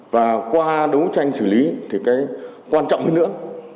và qua đấu tranh xử lý thì cái quan trọng hơn nữa